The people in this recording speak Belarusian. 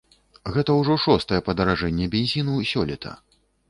Гэта ўжо шостае падаражэнне бензіну сёлета.